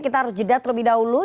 kita harus jeda terlebih dahulu